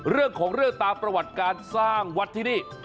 เรื่องของเรื่องตามประวัติการสร้างวัดที่นี่